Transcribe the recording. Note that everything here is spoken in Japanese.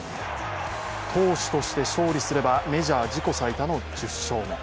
投手として勝利すればメジャー自己最多の１０勝目。